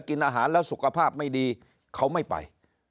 กินอาหารแล้วสุขภาพไม่ดีเขาไม่ไป